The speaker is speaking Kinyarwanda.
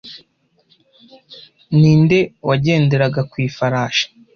Ninde wagenderaga ku ifarashi